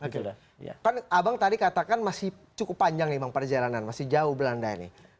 kan abang tadi katakan masih cukup panjang nih bang perjalanan masih jauh belanda ini